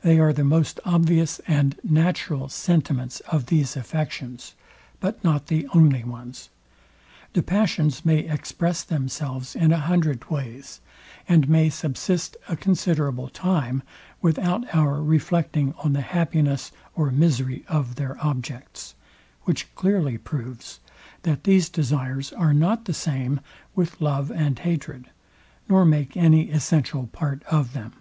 They are the most obvious and natural sentiments of these affections, but not the only ones. The passions may express themselves in a hundred ways, and may subsist a considerable time, without our reflecting on the happiness or misery of their objects; which clearly proves, that these desires are not the same with love and hatred, nor make any essential part of them.